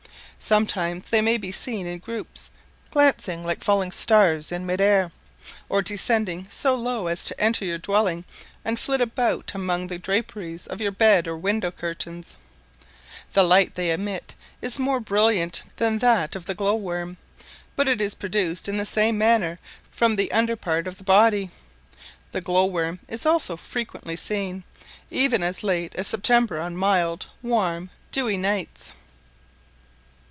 Sometimes they may be seen in groups, glancing like falling stars in mid air, or descending so low as to enter your dwelling and flit about among the draperies of your bed or window curtains; the light they emit is more brilliant than that of the glowworm; but it is produced in the same manner from the under part of the body. The glowworm is also frequently seen, even as late as September, on mild, warm, dewy nights.